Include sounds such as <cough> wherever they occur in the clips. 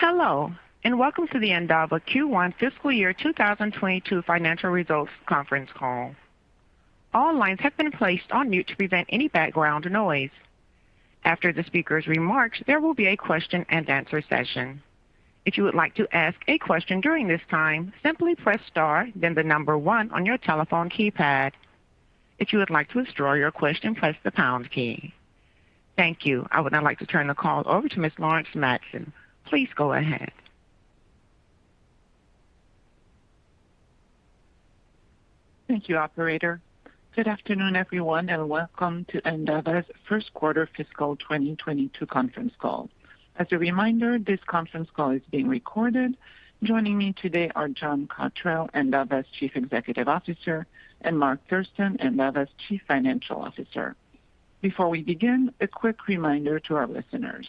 Hello, and welcome to the Endava Q1 Fiscal Year 2022 Financial Results Conference Call. All lines have been placed on mute to prevent any background noise. After the speaker's remarks, there will be a question-and-answer session. If you would like to ask a question during this time, simply press star then the number 1 on your telephone keypad. If you would like to withdraw your question, press the pound key. Thank you. I would now like to turn the call over to Ms. Laurence Madsen. Please go ahead. Thank you, operator. Good afternoon, everyone, and welcome to Endava's First Quarter Fiscal 2022 Conference Call. As a reminder, this conference call is being recorded. Joining me today are John Cotterell, Endava's Chief Executive Officer, and Mark Thurston, Endava's Chief Financial Officer. Before we begin, a quick reminder to our listeners.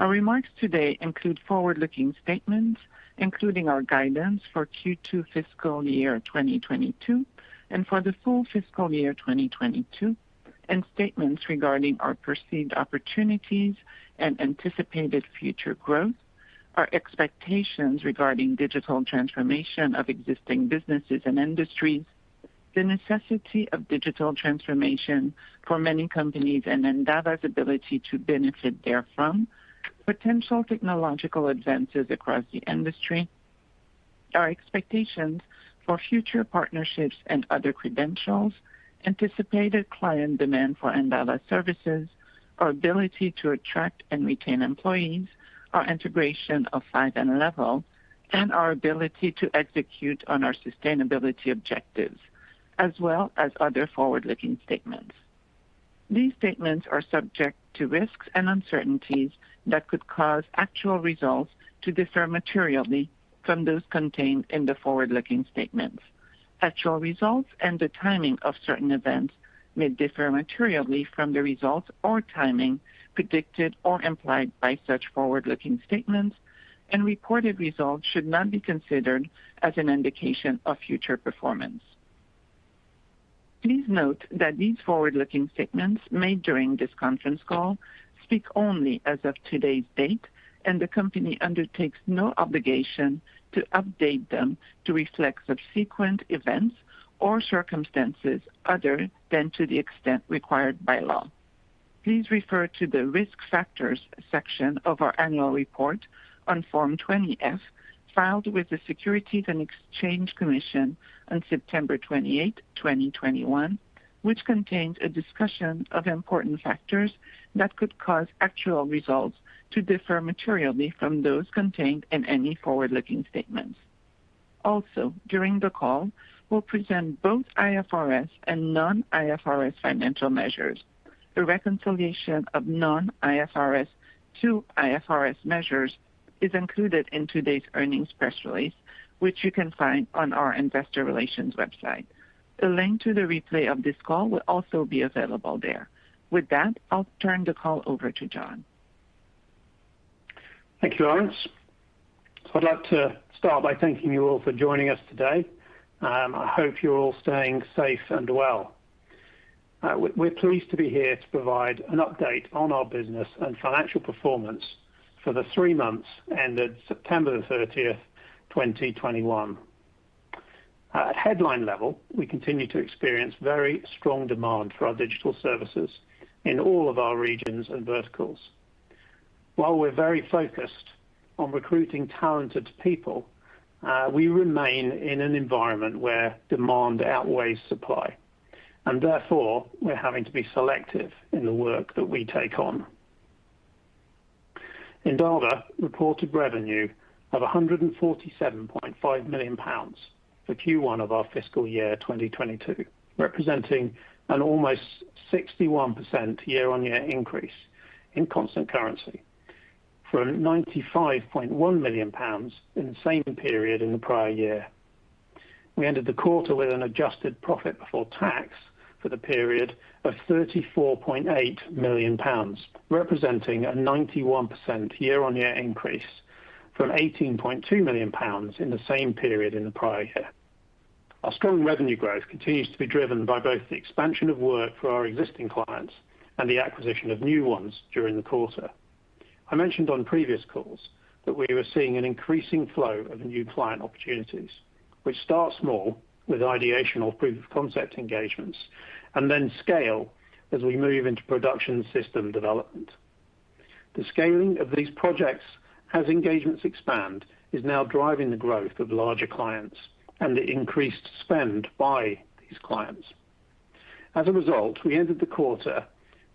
Our remarks today include forward-looking statements, including our guidance for Q2 fiscal year 2022 and for the full fiscal year 2022, and statements regarding our perceived opportunities and anticipated future growth, our expectations regarding digital transformation of existing businesses and industries, the necessity of digital transformation for many companies and Endava's ability to benefit therefrom, potential technological advances across the industry, our expectations for future partnerships and other credentials, anticipated client demand for Endava services, our ability to attract and retain employees, our integration of FIVE and Levvel, and our ability to execute on our sustainability objectives, as well as other forward-looking statements. These statements are subject to risks and uncertainties that could cause actual results to differ materially from those contained in the forward-looking statements. Actual results and the timing of certain events may differ materially from the results or timing predicted or implied by such forward-looking statements, and reported results should not be considered as an indication of future performance. Please note that these forward-looking statements made during this conference call speak only as of today's date, and the company undertakes no obligation to update them to reflect subsequent events or circumstances other than to the extent required by law. Please refer to the Risk Factors section of our annual report on Form 20-F, filed with the Securities and Exchange Commission on September 28, 2021, which contains a discussion of important factors that could cause actual results to differ materially from those contained in any forward-looking statements. Also, during the call, we'll present both IFRS and non-IFRS financial measures. The reconciliation of non-IFRS to IFRS measures is included in today's earnings press release, which you can find on our Investor Relations website. A link to the replay of this call will also be available there. With that, I'll turn the call over to John. Thank you, Laurence. I'd like to start by thanking you all for joining us today. I hope you're all staying safe and well. We're pleased to be here to provide an update on our business and financial performance for the three months ended September 30, 2021. At headline level, we continue to experience very strong demand for our digital services in all of our regions and verticals. While we're very focused on recruiting talented people, we remain in an environment where demand outweighs supply, and therefore, we're having to be selective in the work that we take on. Endava reported revenue of 147.5 million pounds for Q1 of our fiscal year 2022, representing an almost 61% year-on-year increase in constant currency from 95.1 million pounds in the same period in the prior year. We ended the quarter with an adjusted profit before tax for the period of 34.8 million pounds, representing a 91% year-on-year increase from 18.2 million pounds in the same period in the prior year. Our strong revenue growth continues to be driven by both the expansion of work for our existing clients and the acquisition of new ones during the quarter. I mentioned on previous calls that we were seeing an increasing flow of new client opportunities, which start small with ideation or proof-of-concept engagements, and then scale as we move into production system development. The scaling of these projects as engagements expand is now driving the growth of larger clients and the increased spend by these clients. As a result, we ended the quarter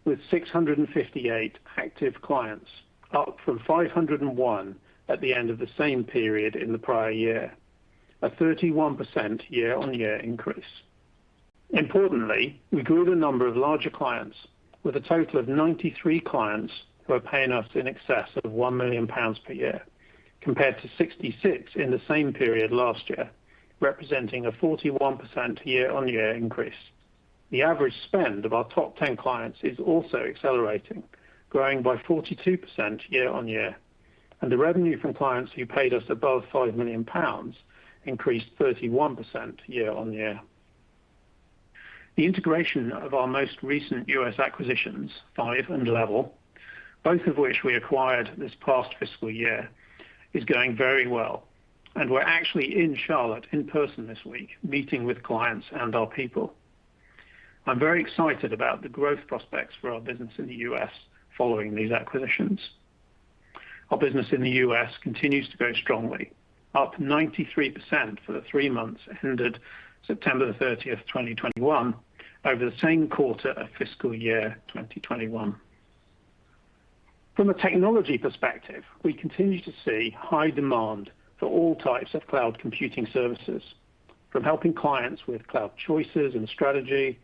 with 658 active clients, up from 501 at the end of the same period in the prior year, a 31% year-on-year increase. Importantly, we grew the number of larger clients with a total of 93 clients who are paying us in excess of 1 million pounds per year, compared to 66 in the same period last year, representing a 41% year-on-year increase. The average spend of our top 10 clients is also accelerating, growing by 42% year-on-year, and the revenue from clients who paid us above 5 million pounds increased 31% year-on-year. The integration of our most recent U.S. acquisitions, FIVE and Levvel, both of which we acquired this past fiscal year, is going very well, and we're actually in Charlotte in person this week, meeting with clients and our people. I'm very excited about the growth prospects for our business in the U.S. following these acquisitions. Our business in the U.S. continues to grow strongly, up 93% for the three months ended September 30, 2021, over the same quarter of fiscal year 2021. From a technology perspective, we continue to see high demand for all types of cloud computing services, from helping clients with cloud choices and strategy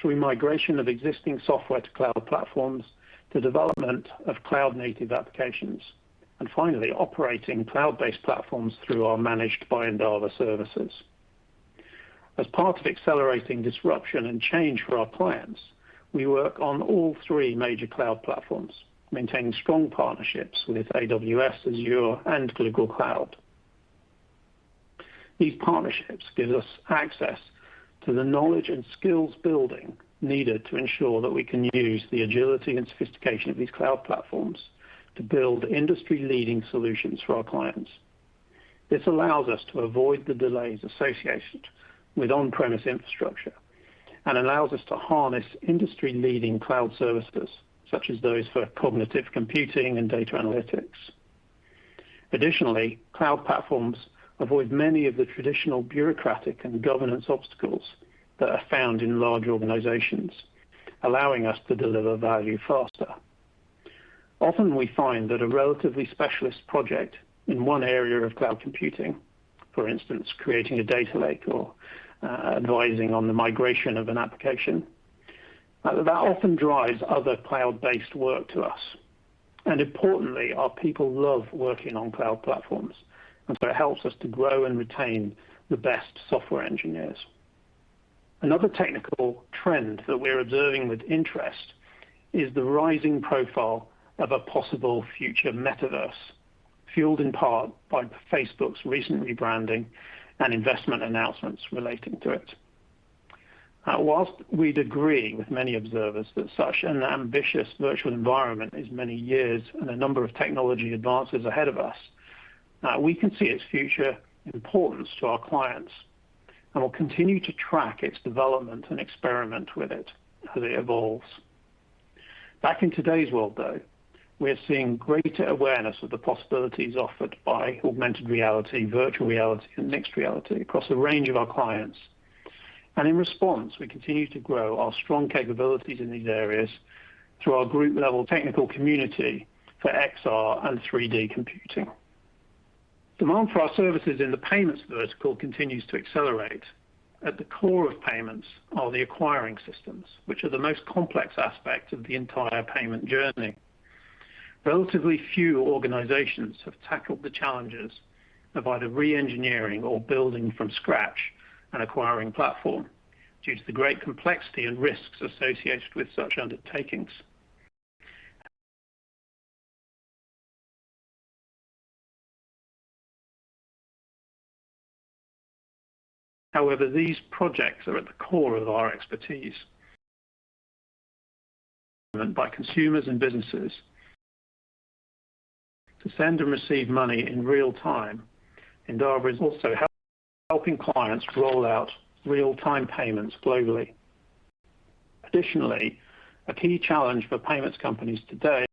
through migration of existing software to cloud platforms, to development of cloud-native applications, and finally, operating cloud-based platforms through our managed by Endava services. As part of accelerating disruption and change for our clients, we work on all three major cloud platforms, maintaining strong partnerships with AWS, Azure, and Google Cloud. These partnerships give us access to the knowledge and skills building needed to ensure that we can use the agility and sophistication of these cloud platforms to build industry-leading solutions for our clients. This allows us to avoid the delays associated with on-premise infrastructure and allows us to harness industry-leading cloud services, such as those for cognitive computing and data analytics. Additionally, cloud platforms avoid many of the traditional bureaucratic and governance obstacles that are found in large organizations, allowing us to deliver value faster. Often, we find that a relatively specialist project in one area of cloud computing, for instance, creating a data lake or, advising on the migration of an application, that often drives other cloud-based work to us. Importantly, our people love working on cloud platforms, and so it helps us to grow and retain the best software engineers. Another technical trend that we're observing with interest is the rising profile of a possible future metaverse, fueled in part by Facebook's recent rebranding and investment announcements relating to it. While we'd agree with many observers that such an ambitious virtual environment is many years and a number of technology advances ahead of us, we can see its future importance to our clients, and we'll continue to track its development and experiment with it as it evolves. Back in today's world, though, we are seeing greater awareness of the possibilities offered by augmented reality, virtual reality, and mixed reality across a range of our clients. In response, we continue to grow our strong capabilities in these areas through our group-level technical community for XR and 3D computing. Demand for our services in the payments vertical continues to accelerate. At the core of payments are the acquiring systems, which are the most complex aspect of the entire payment journey. Relatively few organizations have tackled the challenges of either reengineering or building from scratch an acquiring platform due to the great complexity and risks associated with such undertakings. However, these projects are at the core of our expertise by consumers and businesses to send and receive money in real time. Endava is also helping clients roll out real-time payments globally. Additionally, a key challenge for payments companies today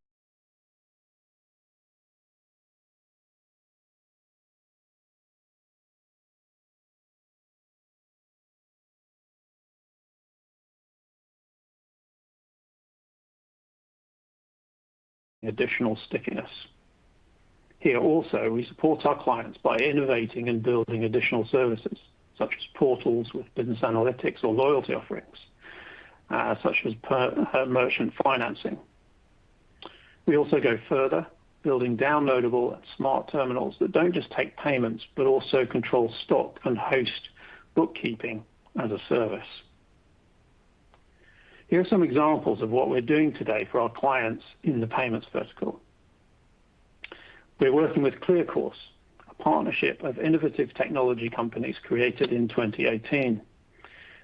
is additional stickiness. Here also, we support our clients by innovating and building additional services, such as portals with business analytics or loyalty offerings, such as merchant financing. We also go further, building downloadable and smart terminals that don't just take payments but also control stock and host bookkeeping as a service. Here are some examples of what we're doing today for our clients in the payments vertical. We're working with ClearCourse, a partnership of innovative technology companies created in 2018.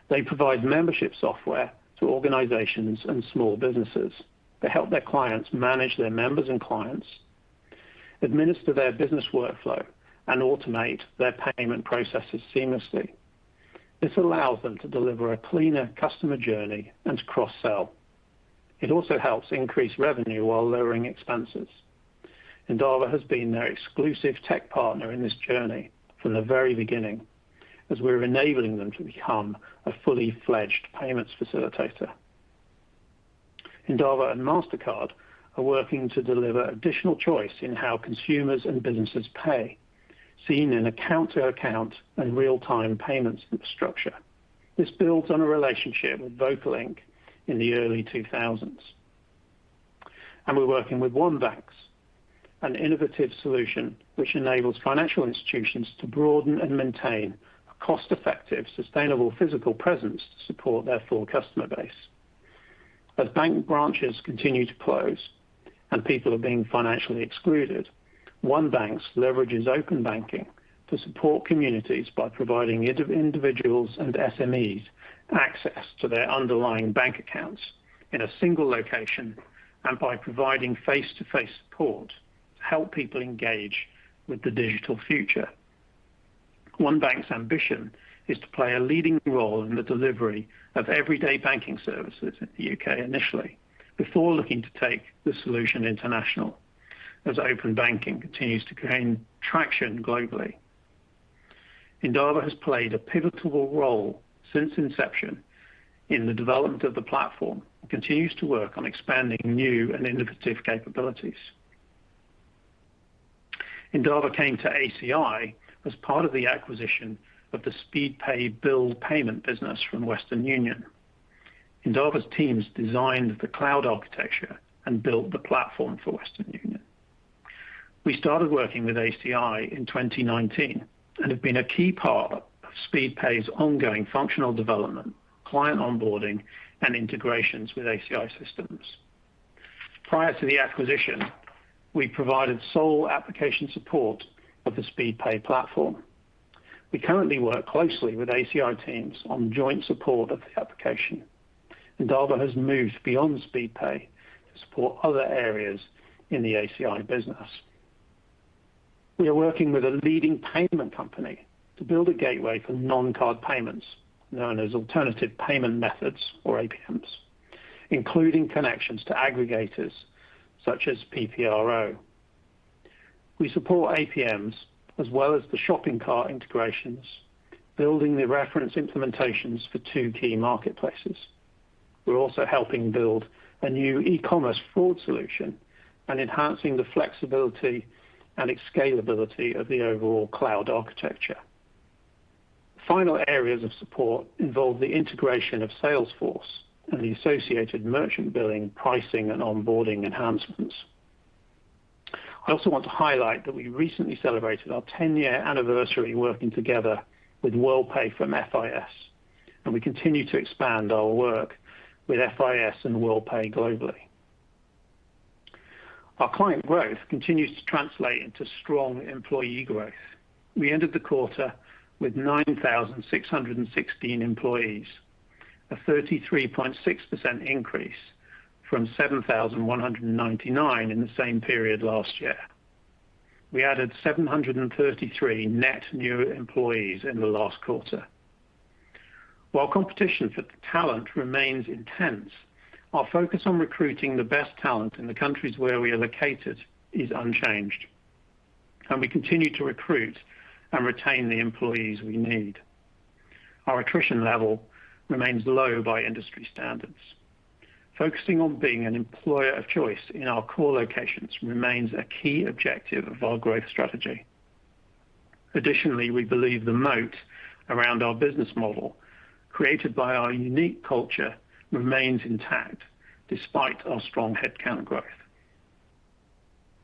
They provide membership software to organizations and small businesses. They help their clients manage their members and clients, administer their business workflow, and automate their payment processes seamlessly. This allows them to deliver a cleaner customer journey and to cross-sell. It also helps increase revenue while lowering expenses. Endava has been their exclusive tech partner in this journey from the very beginning, as we're enabling them to become a fully fledged payments facilitator. Endava and Mastercard are working to deliver additional choice in how consumers and businesses pay, seen in account-to-account and real-time payments infrastructure. This builds on a relationship with Vocalink in the early 2000s. We're working with OneBanx, an innovative solution which enables financial institutions to broaden and maintain a cost-effective, sustainable physical presence to support their full customer base. As bank branches continue to close and people are being financially excluded, OneBanx leverages open banking to support communities by providing individuals and SMEs access to their underlying bank accounts in a single location and by providing face-to-face support to help people engage with the digital future. OneBanx's ambition is to play a leading role in the delivery of everyday banking services in the U.K. initially, before looking to take the solution international as open banking continues to gain traction globally. Endava has played a pivotal role since inception in the development of the platform, and continues to work on expanding new and innovative capabilities. Endava came to ACI as part of the acquisition of the Speedpay bill payment business from Western Union. Endava's teams designed the cloud architecture and built the platform for Western Union. We started working with ACI in 2019, and have been a key part of Speedpay's ongoing functional development, client onboarding, and integrations with ACI systems. Prior to the acquisition, we provided sole application support of the Speedpay platform. We currently work closely with ACI teams on joint support of the application. Endava has moved beyond Speedpay to support other areas in the ACI business. We are working with a leading payment company to build a gateway for non-card payments, known as alternative payment methods or APMs, including connections to aggregators such as PPRO. We support APMs as well as the shopping cart integrations, building the reference implementations for two key marketplaces. We're also helping build a new e-commerce fraud solution and enhancing the flexibility and scalability of the overall cloud architecture. Final areas of support involve the integration of Salesforce and the associated merchant billing, pricing, and onboarding enhancements. I also want to highlight that we recently celebrated our 10-year anniversary working together with Worldpay from FIS, and we continue to expand our work with FIS and Worldpay globally. Our client growth continues to translate into strong employee growth. We ended the quarter with 9,616 employees, a 33.6% increase from 7,199 in the same period last year. We added 733 net new employees in the last quarter. While competition for talent remains intense, our focus on recruiting the best talent in the countries where we are located is unchanged, and we continue to recruit and retain the employees we need. Our attrition level remains low by industry standards. Focusing on being an employer of choice in our core locations remains a key objective of our growth strategy. Additionally, we believe the moat around our business model, created by our unique culture, remains intact despite our strong headcount growth.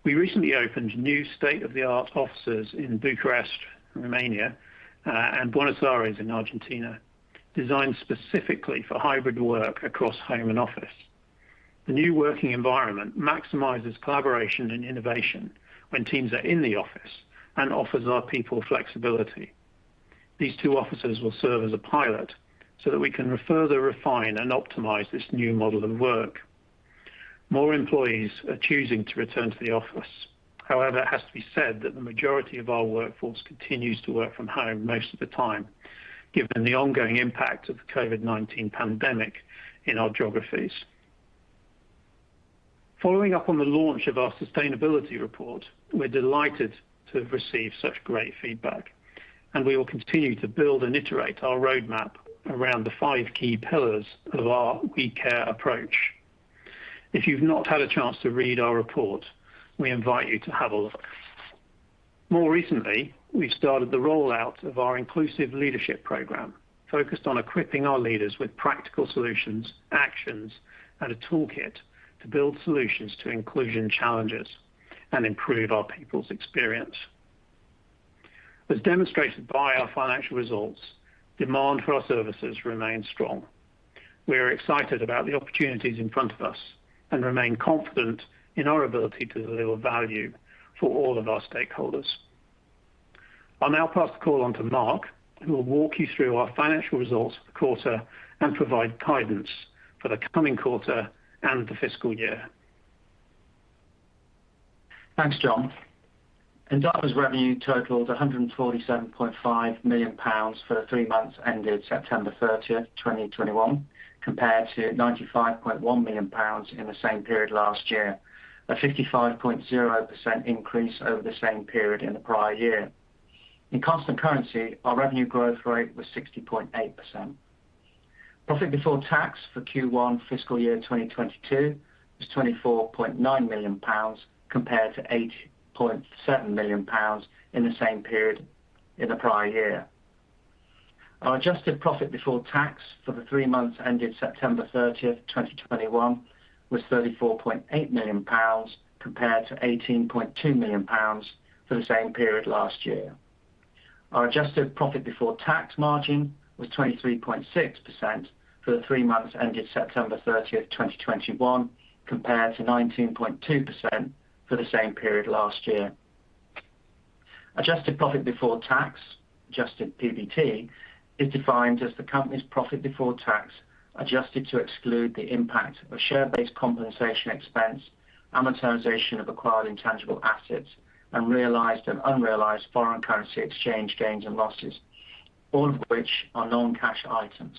We recently opened new state-of-the-art offices in Bucharest, Romania, and Buenos Aires in Argentina, designed specifically for hybrid work across home and office. The new working environment maximizes collaboration and innovation when teams are in the office and offers our people flexibility. These two offices will serve as a pilot so that we can further refine and optimize this new model of work. More employees are choosing to return to the office. However, it has to be said that the majority of our workforce continues to work from home most of the time, given the ongoing impact of the COVID-19 pandemic in our geographies. Following up on the launch of our sustainability report, we're delighted to have received such great feedback, and we will continue to build and iterate our roadmap around the five key pillars of our We Care approach. If you've not had a chance to read our report, we invite you to have a look. More recently, we started the rollout of our inclusive leadership program, focused on equipping our leaders with practical solutions, actions, and a toolkit to build solutions to inclusion challenges and improve our people's experience. As demonstrated by our financial results, demand for our services remains strong. We are excited about the opportunities in front of us and remain confident in our ability to deliver value for all of our stakeholders. I'll now pass the call on to Mark, who will walk you through our financial results for the quarter and provide guidance for the coming quarter and the fiscal year. Thanks, John Cotterell. Endava's revenue totaled 147.5 million pounds for the three months ended September 30, 2021, compared to 95.1 million pounds in the same period last year. A 55.0% increase over the same period in the prior year. In constant currency, our revenue growth rate was 60.8%. Profit before tax for Q1 fiscal year 2022 was 24.9 million pounds compared to 8.7 million pounds in the same period in the prior year. Our adjusted profit before tax for the three months ended September 30, 2021 was 34.8 million pounds compared to 18.2 million pounds for the same period last year. Our adjusted profit before tax margin was 23.6% for the three months ended September 30, 2021, compared to 19.2% for the same period last year. Adjusted profit before tax, adjusted PBT, is defined as the company's profit before tax, adjusted to exclude the impact of share-based compensation expense, amortization of acquired intangible assets, and realized and unrealized foreign currency exchange gains and losses, all of which are non-cash items.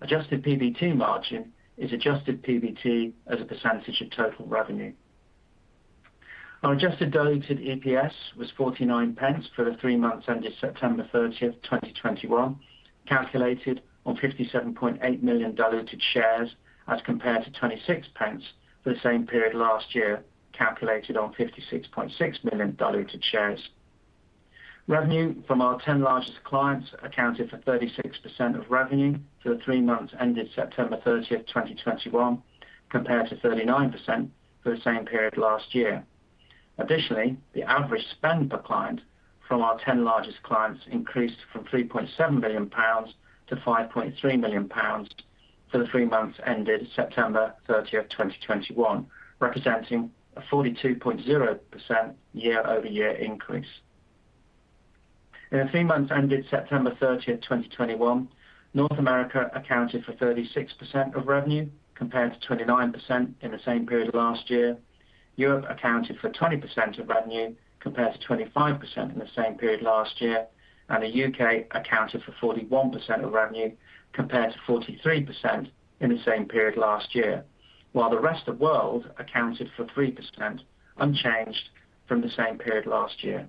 Adjusted PBT margin is adjusted PBT as a percentage of total revenue. Our adjusted diluted EPS was 0.49 for the three months ended September 30, 2021, calculated on 57.8 million diluted shares as compared to 0.26 for the same period last year, calculated on 56.6 million diluted shares. Revenue from our 10 largest clients accounted for 36% of revenue for the three months ended September 30, 2021, compared to 39% for the same period last year. Additionally, the average spend per client from our 10 largest clients increased from 3.7 million pounds to 5.3 million pounds for the three months ended September 30, 2021, representing a 42.0% year-over-year increase. In the three months ended September 30, 2021, North America accounted for 36% of revenue, compared to 29% in the same period last year. Europe accounted for 20% of revenue, compared to 25% in the same period last year, and the U.K. accounted for 41% of revenue compared to 43% in the same period last year, while the rest of world accounted for 3%, unchanged from the same period last year.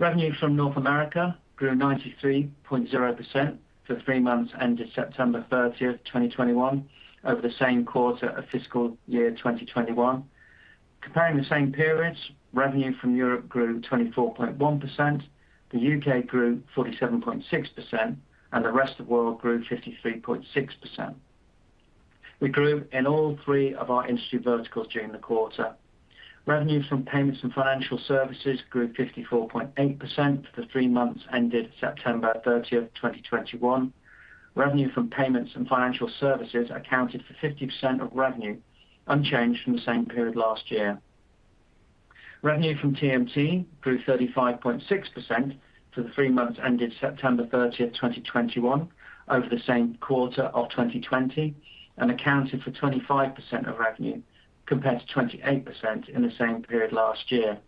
Revenue from North America grew 93.0% for three months ended September 30, 2021 over the same quarter of fiscal year 2021. Comparing the same periods, revenue from Europe grew 24.1%, the U.K. grew 47.6%, and the rest of world grew 53.6%. We grew in all three of our industry verticals during the quarter. Revenue from payments and financial services grew 54.8% for the three months ended September 30, 2021. Revenue from payments and financial services accounted for 50% of revenue, unchanged from the same period last year. Revenue from TMT grew 35.6% for the three months ended September 30, 2021 over the same quarter of 2020, and accounted for 25% of revenue, compared to 28% in the same period last year.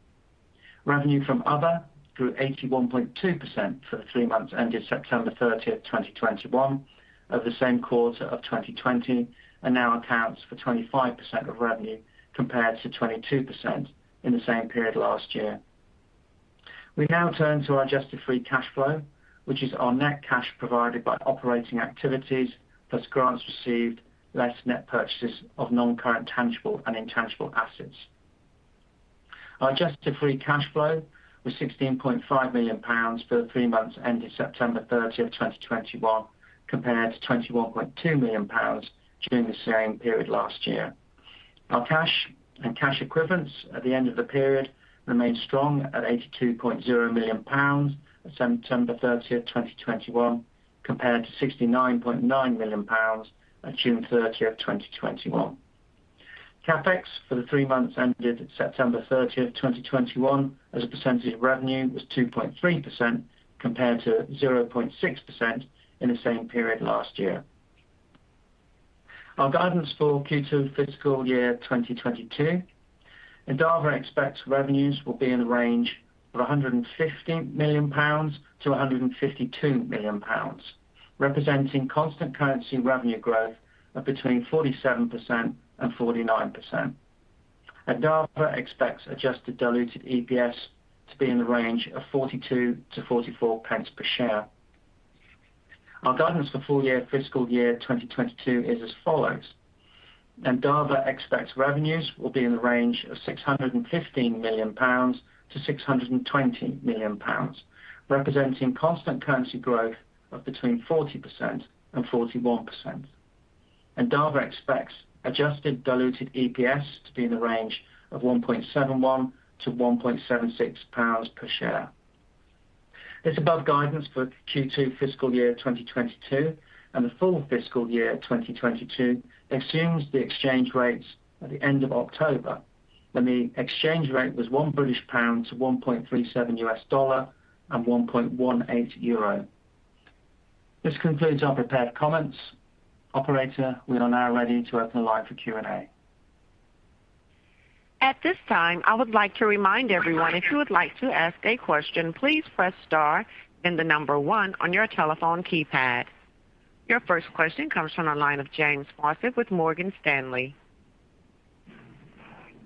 Revenue from other grew 81.2% for the three months ended September 30, 2021 over the same quarter of 2020, and now accounts for 25% of revenue compared to 22% in the same period last year. We now turn to our adjusted free cash flow, which is our net cash provided by operating activities plus grants received less net purchases of non-current tangible and intangible assets. Our adjusted free cash flow was 16.5 million pounds for the three months ended September 30, 2021, compared to 21.2 million pounds during the same period last year. Our cash and cash equivalents at the end of the period remained strong at 82.0 million pounds at September 30, 2021, compared to 69.9 million pounds at June 30, 2021. CapEx for the three months ended September 30, 2021 as a percentage of revenue was 2.3% compared to 0.6% in the same period last year. Our guidance for Q2 fiscal year 2022, Endava expects revenues will be in the range of 150 million-152 million pounds, representing constant currency revenue growth of between 47% and 49%. Endava expects adjusted diluted EPS to be in the range of 42-44 pence per share. Our guidance for full year fiscal year 2022 is as follows: Endava expects revenues will be in the range of 615 million-620 million pounds, representing constant currency growth of between 40% and 41%. Endava expects adjusted diluted EPS to be in the range of 1.71-1.76 pounds per share. The above guidance for Q2 fiscal year 2022 and the full fiscal year 2022 assumes the exchange rates at the end of October, when the exchange rate was 1 British pound to $1.37 and 1.18 euro. This concludes our prepared comments. Operator, we are now ready to open the line for Q&A. At this time, I would like to remind everyone, if you would like to ask a question, please press star then the number one on your telephone keypad. Your first question comes from the line of James Faucette with Morgan Stanley.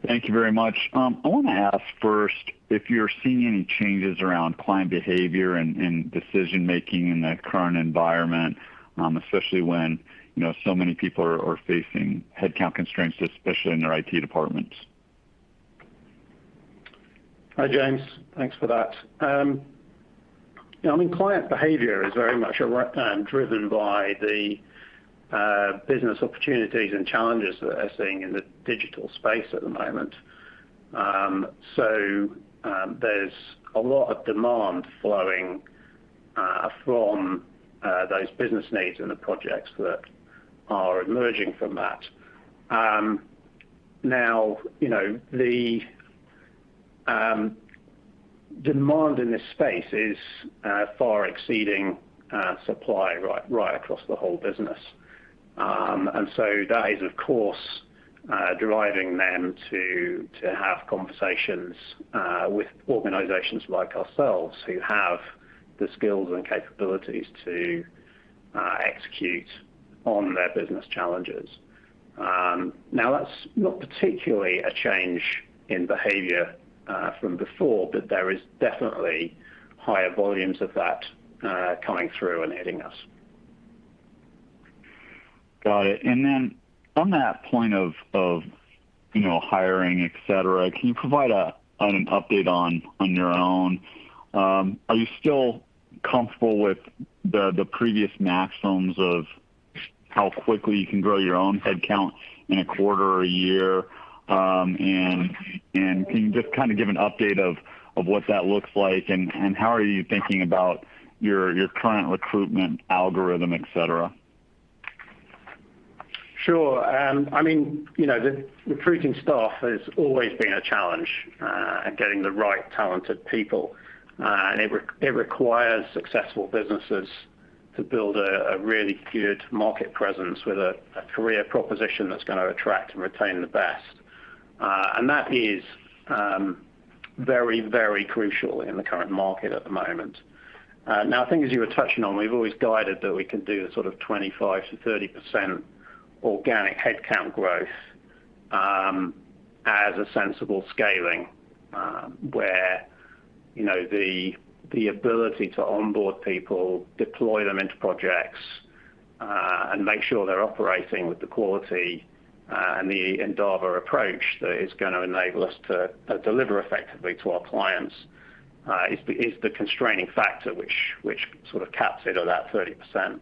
Thank you very much. I wanna ask first if you're seeing any changes around client behavior and decision-making in the current environment, especially when, you know, so many people are facing headcount constraints, especially in their IT departments? Hi, James. Thanks for that. I mean, client behavior is very much driven by the business opportunities and challenges that we're seeing in the digital space at the moment. So, there's a lot of demand flowing from those business needs and the projects that are emerging from that. Now you know, the demand in this space is far exceeding supply right across the whole business. And so that is, of course, driving them to have conversations with organizations like ourselves who have the skills and capabilities to execute on their business challenges. Now that's not particularly a change in behavior from before, but there is definitely higher volumes of that coming through and hitting us. Got it. On that point of you know, hiring, et cetera, can you provide an update on your own? Are you still comfortable with the previous maximums of how quickly you can grow your own headcount in a quarter or a year? And can you just kind of give an update of what that looks like and how are you thinking about your current recruitment algorithm, et cetera? Sure. I mean, you know, the recruiting staff has always been a challenge at getting the right talented people. It requires successful businesses to build a really good market presence with a career proposition that's gonna attract and retain the best. That is very, very crucial in the current market at the moment. Now I think as you were touching on, we've always guided that we can do the sort of 25%-30% organic headcount growth as a sensible scaling. Where you know the ability to onboard people, deploy them into projects, and make sure they're operating with the quality and the Endava approach that is gonna enable us to deliver effectively to our clients is the constraining factor which sort of caps it at that 30%.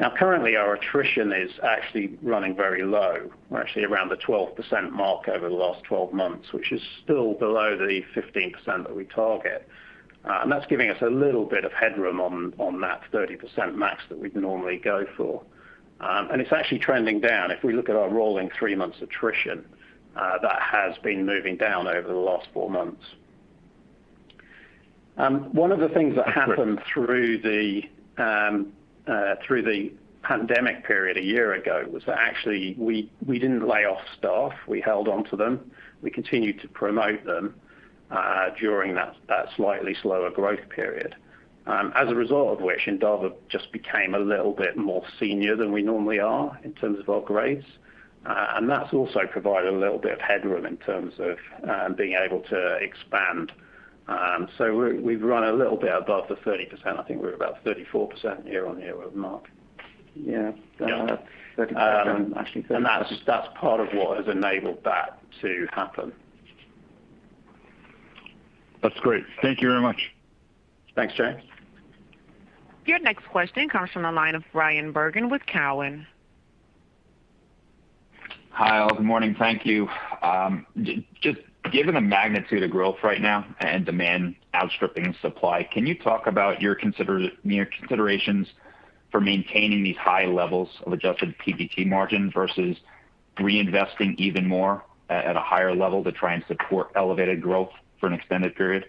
Now currently our attrition is actually running very low. We're actually around the 12% mark over the last 12 months, which is still below the 15% that we target. That's giving us a little bit of headroom on that 30% max that we'd normally go for. It's actually trending down. If we look at our rolling three months attrition, that has been moving down over the last four months. One of the things that happened through the pandemic period a year ago was that actually we didn't lay off staff. We held onto them. We continued to promote them during that slightly slower growth period. As a result of which Endava just became a little bit more senior than we normally are in terms of our grades. That's also provided a little bit of headroom in terms of being able to expand. We've run a little bit above the 30%. I think we're about 34% year-on-year, Mark. Yeah. <crosstalk> Yeah. That's part of what has enabled that to happen. That's great. Thank you very much. Thanks, James. Your next question comes from the line of Bryan Bergin with TD Cowen. Hi, all. Good morning. Thank you. Just given the magnitude of growth right now and demand outstripping supply, can you talk about your considerations for maintaining these high levels of adjusted PBT margin versus reinvesting even more at a higher level to try and support elevated growth for an extended period?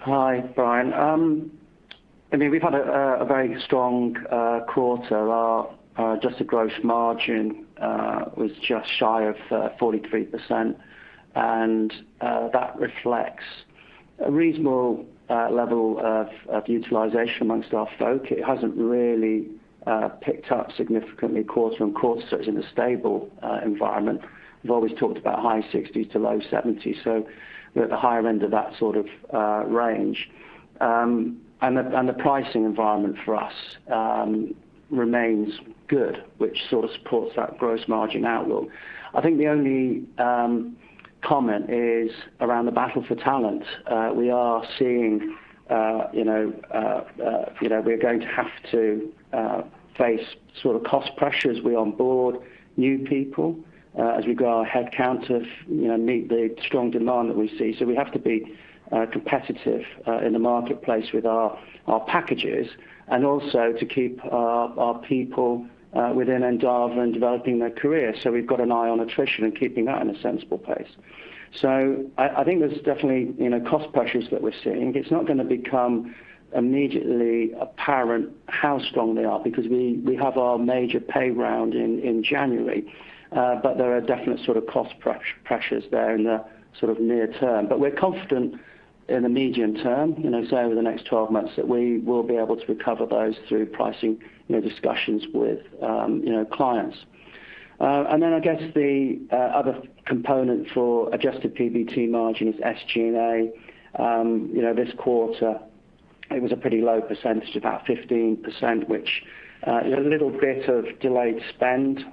Hi, Bryan. I mean, we've had a very strong quarter. Our adjusted gross margin was just shy of 43%, and that reflects a reasonable level of utilization among our folk. It hasn't really picked up significantly quarter-on-quarter, so it's in a stable environment. We've always talked about high 60s%-low 70s%, so we're at the higher end of that sort of range. And the pricing environment for us remains good, which sort of supports that gross margin outlook. I think the only comment is around the battle for talent. We are seeing, you know, we're going to have to face sort of cost pressures. We onboard new people as we grow our headcount to you know, meet the strong demand that we see. We have to be competitive in the marketplace with our packages, and also to keep our people within Endava and developing their careers. We've got an eye on attrition and keeping that in a sensible place. I think there's definitely you know, cost pressures that we're seeing. It's not gonna become immediately apparent how strong they are because we have our major pay round in January. There are definite sort of cost pressures there in the sort of near term. We're confident in the medium term you know, say over the next 12 months, that we will be able to recover those through pricing you know, discussions with you know, clients. I guess the other component for adjusted PBT margin is SG&A. You know, this quarter it was a pretty low percentage, about 15%, which you know, a little bit of delayed spend. You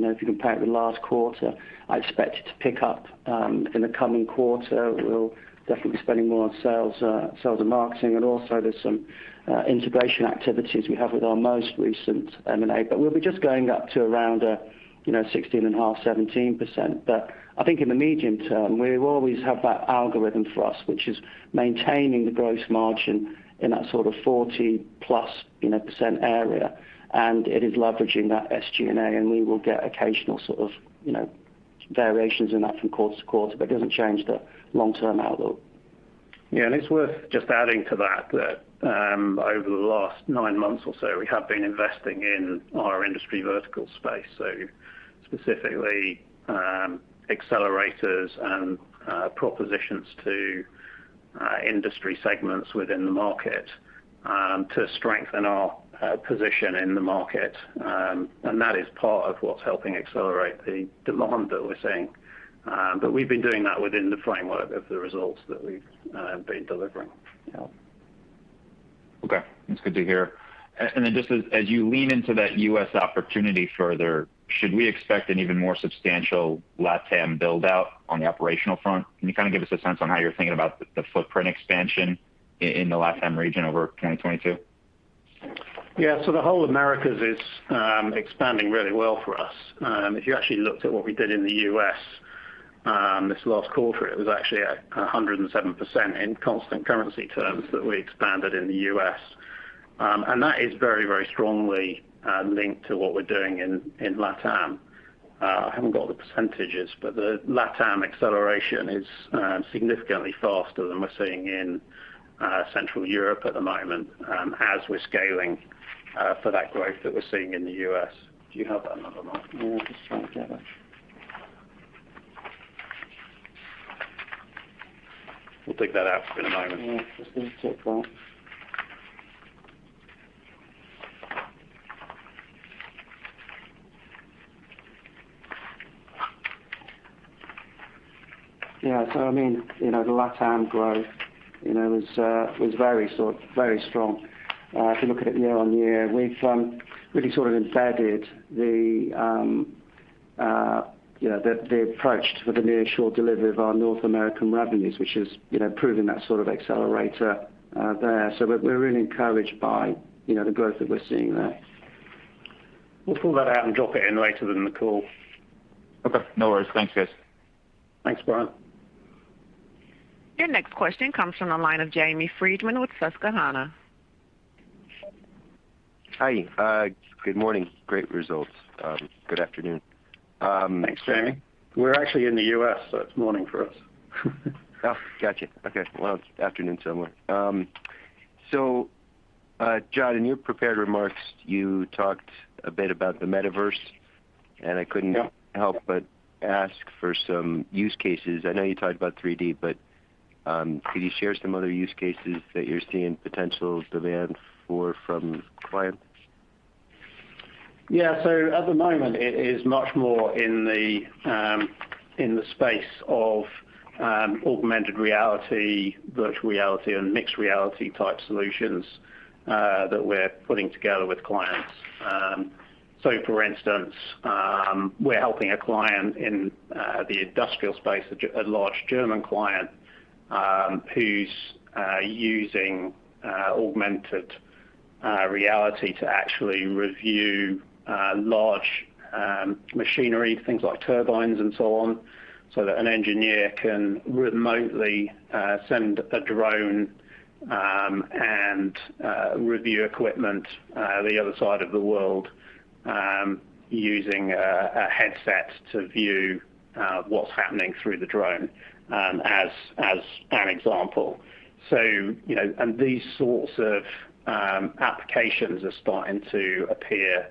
know, if you compare it with last quarter, I expect it to pick up in the coming quarter. We'll definitely be spending more on sales and marketing, and also there's some integration activities we have with our most recent M&A. We'll be just going up to around 16.5%-17%. I think in the medium term, we will always have that algorithm for us, which is maintaining the gross margin in that sort of 40+% area. It is leveraging that SG&A, and we will get occasional sort of, you know, variations in that from quarter to quarter, but it doesn't change the long-term outlook. Yeah. It's worth just adding to that that over the last nine months or so, we have been investing in our industry vertical space. So specifically, accelerators and propositions to industry segments within the market to strengthen our position in the market. That is part of what's helping accelerate the demand that we're seeing. But we've been doing that within the framework of the results that we've been delivering. Yeah. Okay. It's good to hear. Just as you lean into that U.S. opportunity further, should we expect an even more substantial LatAm build-out on the operational front? Can you kind of give us a sense on how you're thinking about the footprint expansion in the LatAm region over 2022? Yeah. The whole Americas is expanding really well for us. If you actually looked at what we did in the U.S., this last quarter, it was actually 107% in constant currency terms that we expanded in the U.S. That is very, very strongly linked to what we're doing in LatAm. I haven't got the percentages, but the LatAm acceleration is significantly faster than we're seeing in Central Europe at the moment, as we're scaling for that growth that we're seeing in the U.S. Do you have that number, Mark? No, just trying to get it. We'll dig that out in a moment. Yeah. Just need to check that. Yeah. I mean, you know, the LatAm growth, you know, was very strong. If you look at it year-on-year, we've really sort of embedded the approach for the near shore delivery of our North American revenues, which is proving that sort of accelerator there. We're really encouraged by the growth that we're seeing there. We'll pull that out and drop it in later in the call. Okay. No worries. Thanks, guys. Thanks, Bryan. Your next question comes from the line of Jamie Friedman with Susquehanna Financial Group. Hi. Good morning. Great results. Good afternoon. Thanks, Jamie. We're actually in the U.S., so it's morning for us. Oh, gotcha. Okay. Well, it's afternoon somewhere. John, in your prepared remarks, you talked a bit about the metaverse, and I couldn't- Yeah - help but ask for some use cases. I know you talked about 3D, but could you share some other use cases that you're seeing potential demand for from clients? Yeah. At the moment, it is much more in the space of augmented reality, virtual reality, and mixed reality type solutions that we're putting together with clients. For instance, we're helping a client in the industrial space, a large German client, who's using augmented reality to actually review large machinery, things like turbines and so on, so that an engineer can remotely send a drone and review equipment the other side of the world, using a headset to view what's happening through the drone, as an example. You know, and these sorts of applications are starting to appear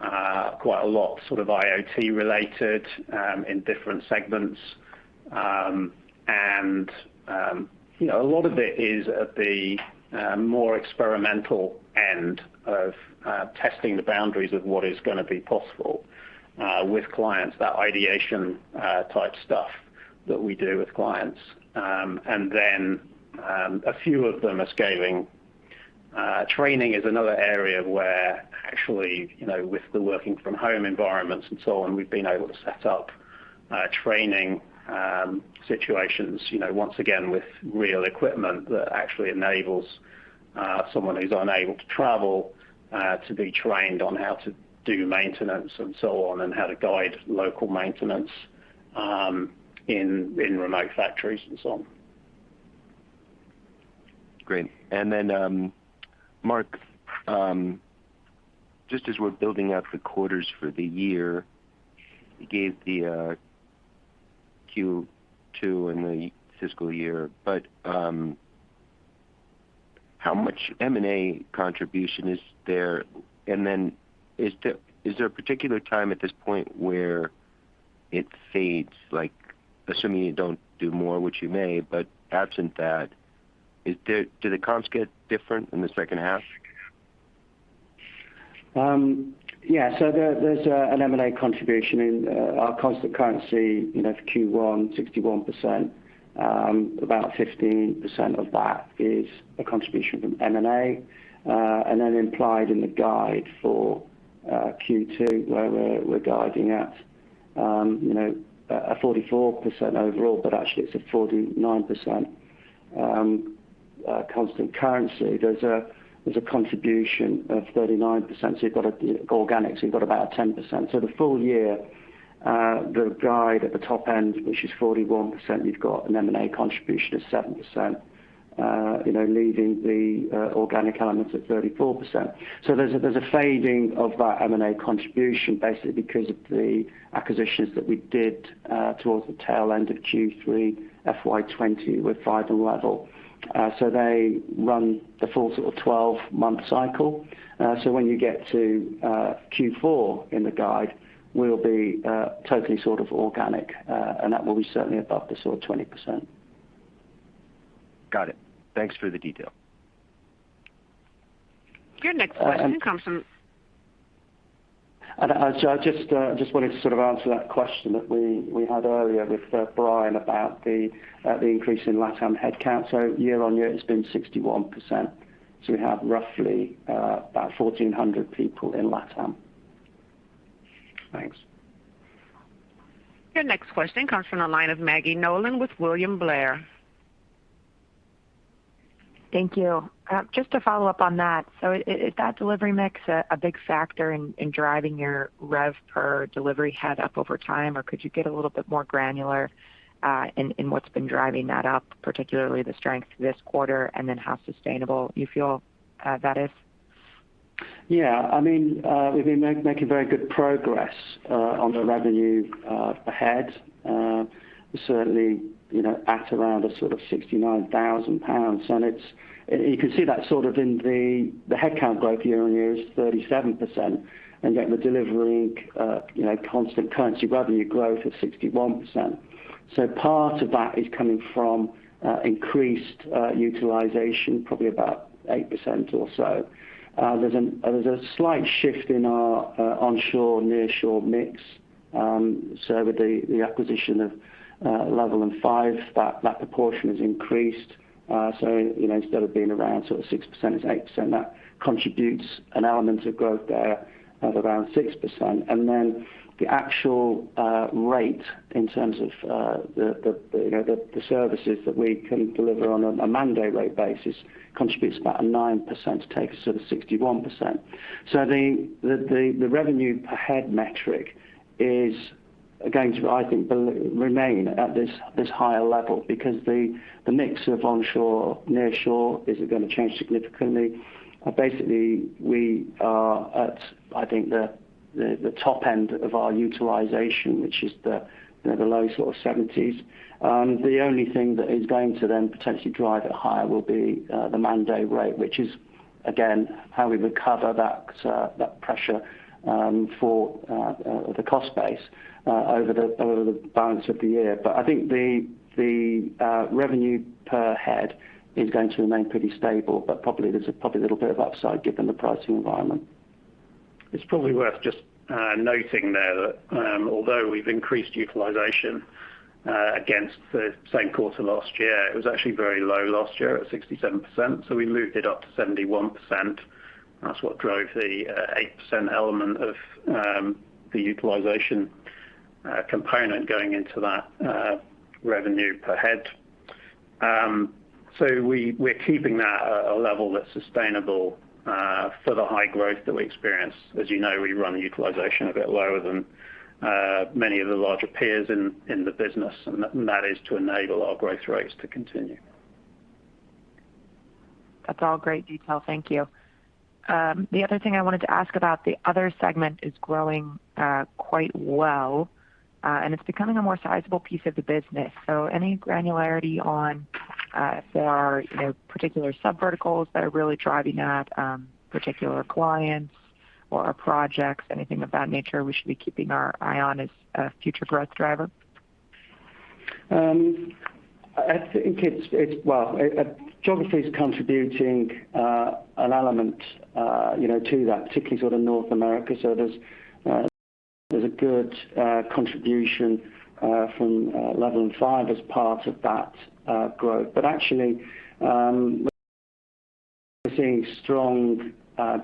quite a lot, sort of IoT related, in different segments. You know, a lot of it is at the more experimental end of testing the boundaries of what is gonna be possible with clients, that ideation type stuff that we do with clients. A few of them are scaling. Training is another area where actually, you know, with the working from home environments and so on, we've been able to set up training situations, you know, once again with real equipment that actually enables someone who's unable to travel to be trained on how to do maintenance and so on, and how to guide local maintenance in remote factories and so on. Great. Then, Mark, just as we're building out the quarters for the year, you gave the Q2 and the fiscal year, but how much M&A contribution is there? Then is there a particular time at this point where it fades? Like, assuming you don't do more, which you may, but absent that, is there, do the comps get different in the second half? Yeah. There's an M&A contribution in our constant currency, you know, for Q1 61%. About 15% of that is a contribution from M&A, and then implied in the guide for Q2, where we're guiding at, you know, a 44% overall, but actually it's a 49% constant currency. There's a contribution of 39%, so you've got organics, you've got about 10%. The full year, the guide at the top end, which is 41%, you've got an M&A contribution of 7%, you know, leaving the organic element at 34%. There's a fading of that M&A contribution basically because of the acquisitions that we did towards the tail end of Q3 FY 2020 with FIVE and Levvel. They run the full sort of 12-month cycle. When you get to Q4 in the guide, we'll be totally sort of organic. That will be certainly above the sort of 20%. Got it. Thanks for the detail. Your next question comes from. I just wanted to sort of answer that question that we had earlier with Bryan about the increase in LatAm headcount. Year-on-year it's been 61%. We have roughly about 1,400 people in LatAm. Thanks. Your next question comes from the line of Maggie Nolan with William Blair & Company. Thank you. Just to follow up on that. Is that delivery mix a big factor in driving your rev per delivery head up over time? Or could you get a little bit more granular in what's been driving that up, particularly the strength this quarter, and then how sustainable you feel that is? Yeah, I mean, we've been making very good progress on the revenue ahead. Certainly, you know, at around 69,000 pounds. You can see that sort of in the headcount growth year-on-year is 37%, and yet we're delivering, you know, constant currency revenue growth of 61%. Part of that is coming from increased utilization, probably about 8% or so. There's a slight shift in our onshore nearshore mix. With the acquisition of Levvel and FIVE, that proportion has increased. You know, instead of being around sort of 6%, it's 8%. That contributes an element of growth there of around 6%. The actual rate in terms of the you know the services that we can deliver on a mandate rate basis contributes about a 9% to take us to the 61%. The revenue per head metric is going to I think remain at this higher level because the mix of onshore nearshore isn't gonna change significantly. Basically we are at I think the top end of our utilization which is the you know the low sort of 70s. The only thing that is going to potentially drive it higher will be the mandate rate which is again how we recover that pressure for the cost base over the balance of the year. I think the revenue per head is going to remain pretty stable, but probably there's a little bit of upside given the pricing environment. It's probably worth just noting there that although we've increased utilization against the same quarter last year, it was actually very low last year at 67%, so we moved it up to 71%. That's what drove the 8% element of the utilization component going into that revenue per head. So we're keeping that at a level that's sustainable for the high growth that we experience. As you know, we run the utilization a bit lower than many of the larger peers in the business, and that is to enable our growth rates to continue. That's all great detail. Thank you. The other thing I wanted to ask about, the other segment is growing quite well, and it's becoming a more sizable piece of the business. So any granularity on if there are, you know, particular subverticals that are really driving that, particular clients or projects, anything of that nature we should be keeping our eye on as a future growth driver? Well, geography is contributing an element, you know, to that, particularly sort of North America. There's a good contribution from Levvel and FIVE as part of that growth. Actually, we're seeing strong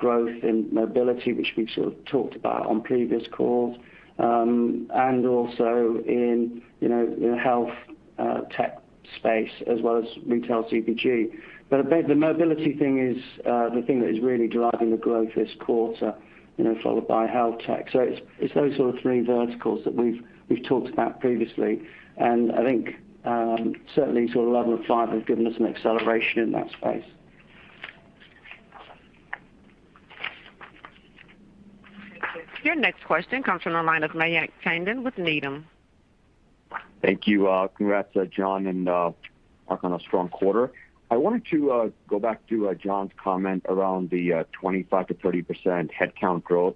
growth in mobility, which we've sort of talked about on previous calls, and also in, you know, the health tech space as well as retail CPG. The mobility thing is the thing that is really driving the growth this quarter, you know, followed by health tech. It's those sort of three verticals that we've talked about previously. I think certainly sort of Levvel and FIVE have given us an acceleration in that space. Your next question comes from the line of Mayank Tandon with Needham. Thank you. Congrats, John and Mark, on a strong quarter. I wanted to go back to John's comment around the 25%-30% headcount growth.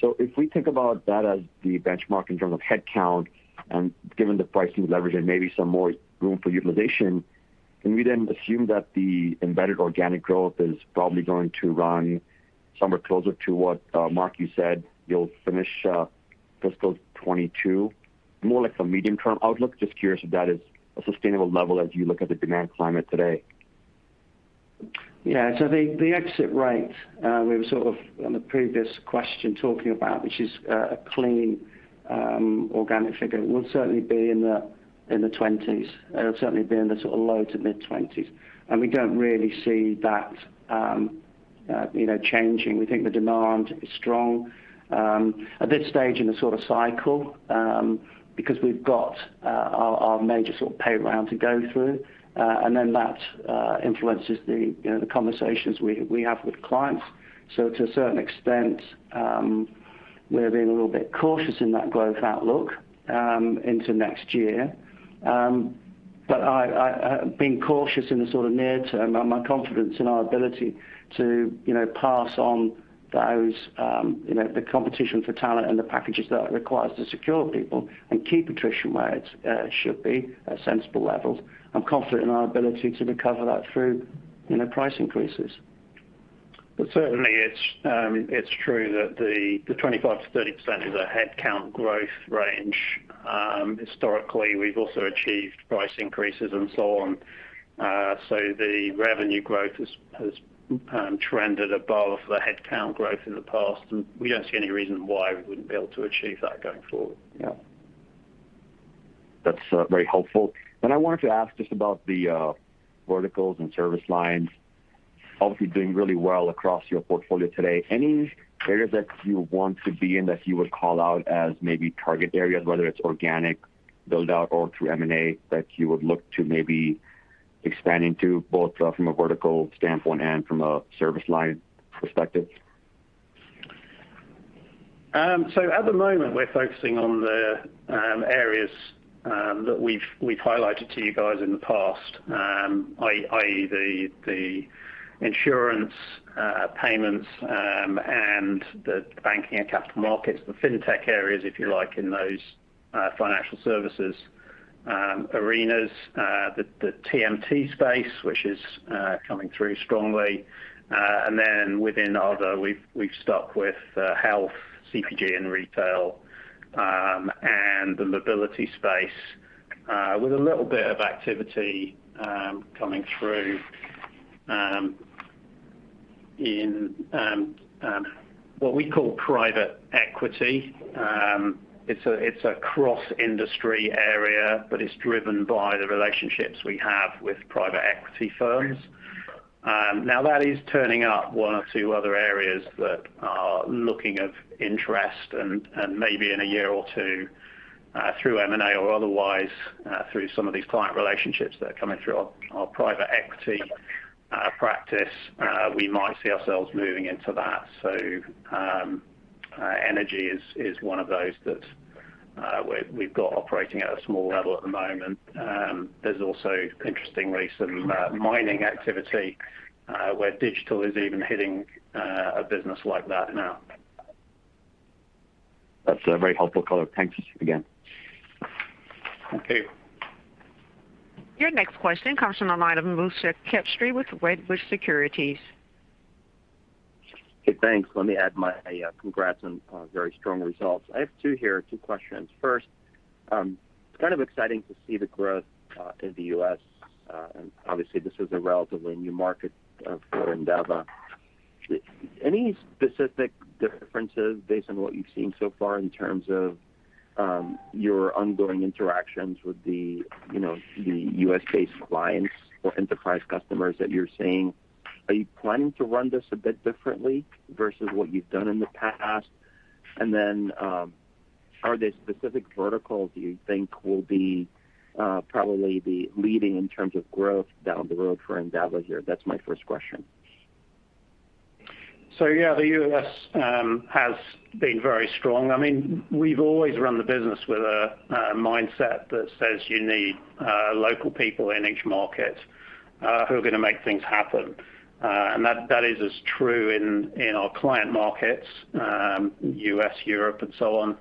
If we think about that as the benchmark in terms of headcount and given the pricing leverage and maybe some more room for utilization, can we then assume that the embedded organic growth is probably going to run somewhere closer to what, Mark, you said you'll finish, fiscal 2022? More like a medium-term outlook. Just curious if that is a sustainable level as you look at the demand climate today. Yeah. The exit rate we were sort of on the previous question talking about, which is a clean organic figure, will certainly be in the 20s%. It'll certainly be in the sort of low- to mid-20s%. We don't really see that, you know, changing. We think the demand is strong at this stage in the sort of cycle because we've got our major sort of pay round to go through. Then that influences the, you know, the conversations we have with clients. To a certain extent, we're being a little bit cautious in that growth outlook into next year. I being cautious in the sort of near term, my confidence in our ability to, you know, pass on those, you know, the competition for talent and the packages that requires to secure people and keep attrition where it should be at sensible levels. I'm confident in our ability to recover that through, you know, price increases. Certainly it's true that the 25%-30% is a headcount growth range. Historically, we've also achieved price increases and so on. The revenue growth has trended above the headcount growth in the past, and we don't see any reason why we wouldn't be able to achieve that going forward. Yeah. That's very helpful. I wanted to ask just about the verticals and service lines obviously doing really well across your portfolio today. Any areas that you want to be in that you would call out as maybe target areas, whether it's organic build-out or through M&A, that you would look to maybe expanding to both, from a vertical standpoint and from a service line perspective? At the moment, we're focusing on the areas that we've highlighted to you guys in the past, i.e. the insurance, payments, and the banking and capital markets, the FinTech areas, if you like, in those financial services arenas, the TMT space, which is coming through strongly. Within other, we've stuck with health, CPG and retail, and the mobility space with a little bit of activity coming through in what we call private equity. It's a cross-industry area, but it's driven by the relationships we have with private equity firms. Now that is turning up one or two other areas that are looking of interest and maybe in a year or two, through M&A or otherwise, through some of these client relationships that are coming through our private equity practice, we might see ourselves moving into that. Energy is one of those that we've got operating at a small level at the moment. There's also interestingly some mining activity where digital is even hitting a business like that now. That's a very helpful color. Thanks again. Thank you. Your next question comes from the line of Moshe Katri with Wedbush Securities. Okay, thanks. Let me add my congrats on very strong results. I have two questions. First, it's kind of exciting to see the growth in the U.S. And obviously this is a relatively new market for Endava. Any specific differences based on what you've seen so far in terms of your ongoing interactions with the, you know, the U.S.-based clients or enterprise customers that you're seeing? Are you planning to run this a bit differently versus what you've done in the past? And then, are there specific verticals you think will probably be leading in terms of growth down the road for Endava here? That's my first question. Yeah, the U.S. has been very strong. I mean, we've always run the business with a mindset that says you need local people in each market who are gonna make things happen. That is as true in our client markets, U.S., Europe and so on.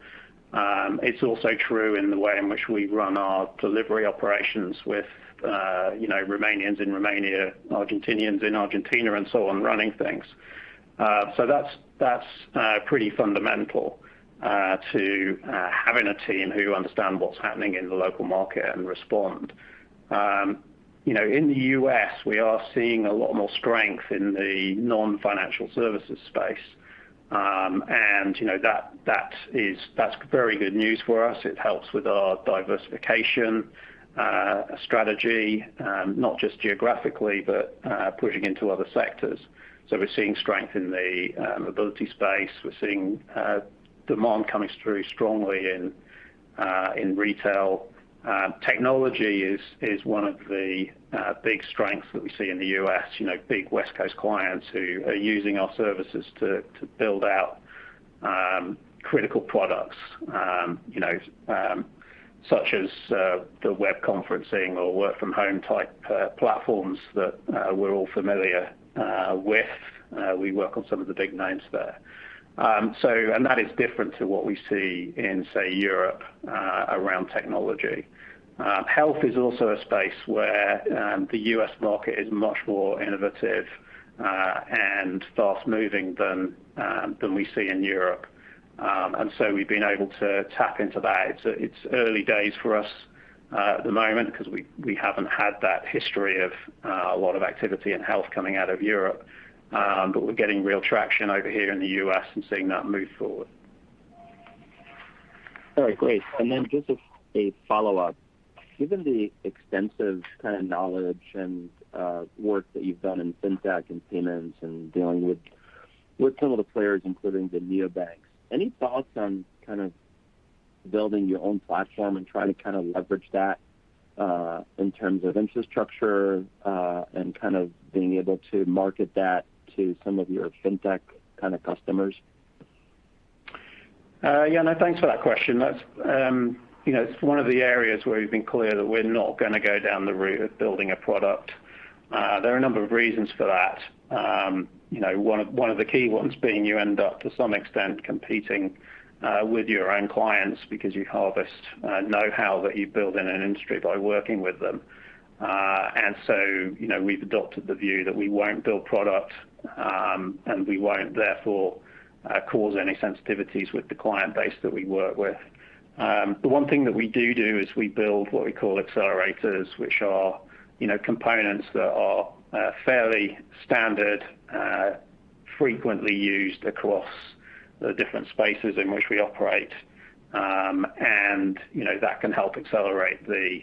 It's also true in the way in which we run our delivery operations with you know, Romanians in Romania, Argentinians in Argentina and so on, running things. That's pretty fundamental to having a team who understand what's happening in the local market and respond. You know, in the U.S., we are seeing a lot more strength in the non-financial services space. You know, that is very good news for us. It helps with our diversification strategy, not just geographically but pushing into other sectors. We're seeing strength in the mobility space. We're seeing demand coming through strongly in retail. Technology is one of the big strengths that we see in the U.S. You know, big West Coast clients who are using our services to build out critical products, you know, such as the web conferencing or work from home type platforms that we're all familiar with. We work on some of the big names there. That is different to what we see in, say, Europe around technology. Health is also a space where the U.S. market is much more innovative and fast-moving than we see in Europe. We've been able to tap into that. It's early days for us at the moment because we haven't had that history of a lot of activity in health coming out of Europe. We're getting real traction over here in the U.S. and seeing that move forward. All right, great. Just a follow-up. Given the extensive kind of knowledge and work that you've done in fintech and payments and dealing with some of the players, including the neobanks, any thoughts on kind of building your own platform and trying to kind of leverage that in terms of infrastructure and kind of being able to market that to some of your fintech kind of customers? Yeah, no, thanks for that question. That's, you know, it's one of the areas where we've been clear that we're not gonna go down the route of building a product. There are a number of reasons for that. You know, one of the key ones being you end up, to some extent, competing with your own clients because you harvest know-how that you build in an industry by working with them. You know, we've adopted the view that we won't build product, and we won't therefore cause any sensitivities with the client base that we work with. The one thing that we do is we build what we call accelerators, which are, you know, components that are fairly standard, frequently used across the different spaces in which we operate. You know, that can help accelerate the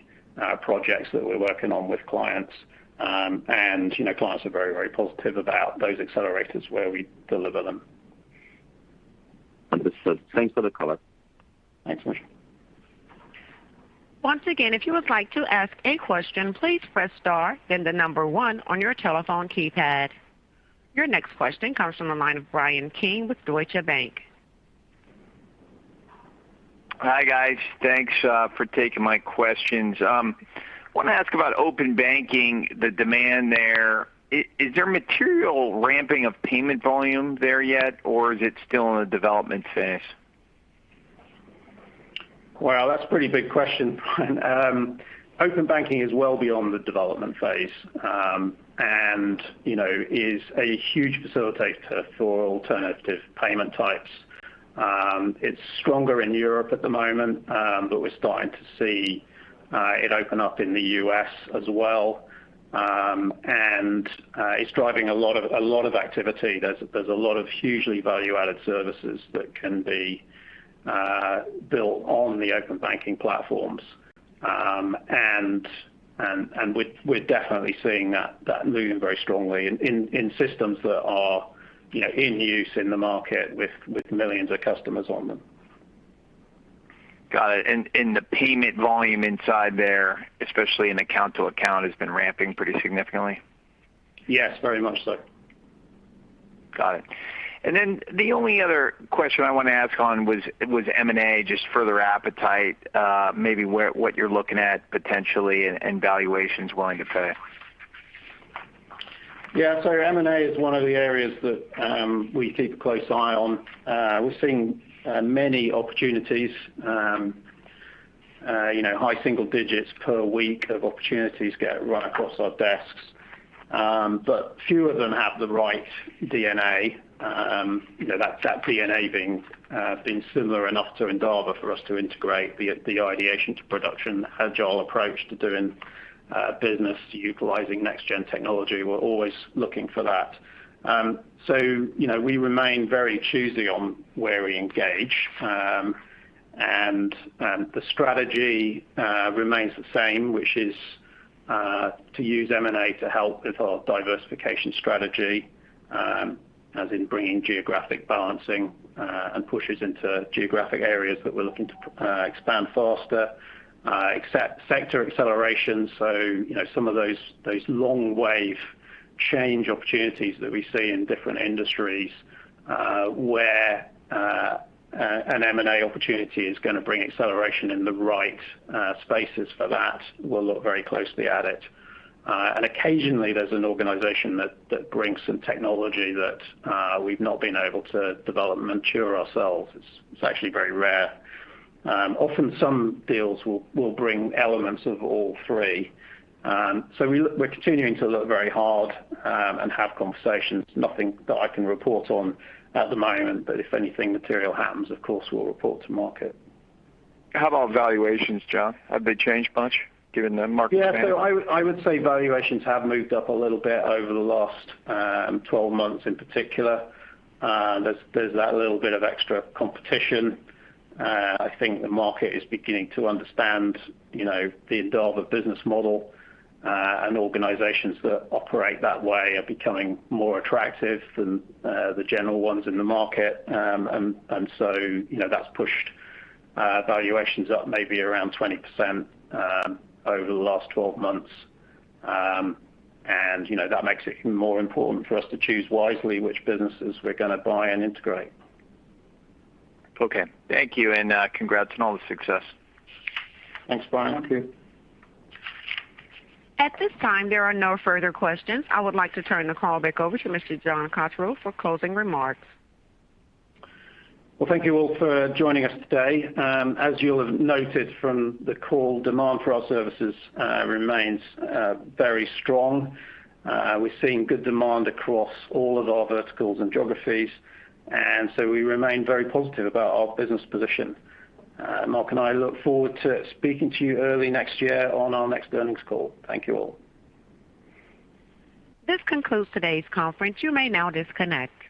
projects that we're working on with clients. You know, clients are very positive about those accelerators where we deliver them. Understood. Thanks for the color. Thanks, Moshe. Once again if you would like to ask a question please press star then number 1 on your telephone keypad. Your next question comes from the line of Bryan Keane with Deutsche Bank. Hi, guys. Thanks for taking my questions. Wanna ask about open banking, the demand there. Is there material ramping of payment volume there yet, or is it still in the development phase? Well, that's a pretty big question, Bryan. Open banking is well beyond the development phase, and, you know, is a huge facilitator for alternative payment types. It's stronger in Europe at the moment, but we're starting to see it open up in the U.S. as well. It's driving a lot of activity. There's a lot of hugely value-added services that can be built on the open banking platforms. We're definitely seeing that moving very strongly in systems that are, you know, in use in the market with millions of customers on them. Got it. The payment volume inside there, especially in account to account, has been ramping pretty significantly? Yes, very much so. Got it. The only other question I wanna ask on was M&A, just further appetite, maybe what you're looking at potentially and valuations willing to pay. Yeah. M&A is one of the areas that we keep a close eye on. We're seeing many opportunities, you know, high single digits per week of opportunities get right across our desks. But few of them have the right DNA. You know, that DNA being similar enough to Endava for us to integrate the ideation to production, agile approach to doing business, utilizing next gen technology. We're always looking for that. You know, we remain very choosy on where we engage. The strategy remains the same, which is to use M&A to help with our diversification strategy, as in bringing geographic balancing and pushes into geographic areas that we're looking to expand faster, except sector acceleration. You know, some of those long wave change opportunities that we see in different industries, where an M&A opportunity is gonna bring acceleration in the right spaces for that, we'll look very closely at it. Occasionally there's an organization that brings some technology that we've not been able to develop and mature ourselves. It's actually very rare. Often some deals will bring elements of all three. We're continuing to look very hard and have conversations. Nothing that I can report on at the moment, but if anything material happens, of course we'll report to market. How about valuations, John? Have they changed much given the market trend? Yeah. I would say valuations have moved up a little bit over the last 12 months in particular. There's that little bit of extra competition. I think the market is beginning to understand, you know, the Endava business model, and organizations that operate that way are becoming more attractive than the general ones in the market. You know, that's pushed valuations up maybe around 20% over the last 12 months. You know, that makes it even more important for us to choose wisely which businesses we're gonna buy and integrate. Okay. Thank you, and congrats on all the success. Thanks, Bryan. Thank you. At this time, there are no further questions. I would like to turn the call back over to Mr. John Cotterell for closing remarks. Well, thank you all for joining us today. As you'll have noted from the call, demand for our services remains very strong. We're seeing good demand across all of our verticals and geographies, and so we remain very positive about our business position. Mark and I look forward to speaking to you early next year on our next earnings call. Thank you all. This concludes today's conference. You may now disconnect.